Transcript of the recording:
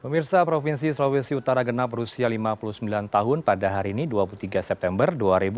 pemirsa provinsi sulawesi utara genap berusia lima puluh sembilan tahun pada hari ini dua puluh tiga september dua ribu dua puluh